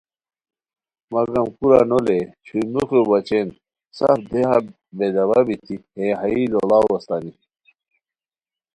مگم کورا نو لے چھوئی موخیو بچین سف دیہہ بے داوا بیتی ہےہائیی لوڑاؤ استانی